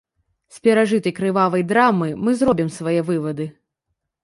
З перажытай крывавай драмы мы зробім свае вывады.